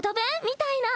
みたいな。